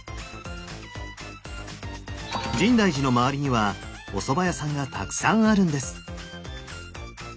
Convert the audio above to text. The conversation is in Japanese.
深大寺の周りにはおそば屋さんがたくさんあるんです！